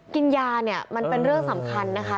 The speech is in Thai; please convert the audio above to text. กินยาเนี่ยมันเป็นเรื่องสำคัญนะคะ